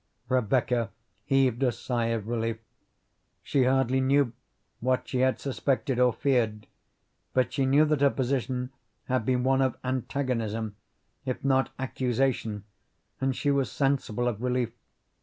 Rebecca heaved a sigh of relief. She hardly knew what she had suspected or feared, but she knew that her position had been one of antagonism if not accusation, and she was sensible of relief.